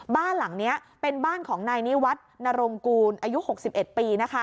บ้านหลังนี้เป็นบ้านของนายนิวัฒนรงกูลอายุ๖๑ปี